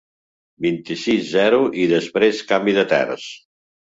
Vint-i-sis, zero i després canvi de terç.